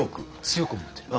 強く思ってる？